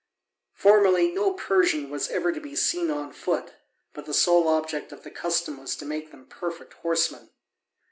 Formerly no Persian was ever to be seen on foot, but the sole object of the custom was to make them perfect horsemen.